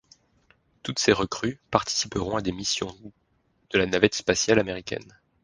Toutes ces recrues participeront à des missions de la navette spatiale américaine.